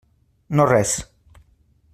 No res.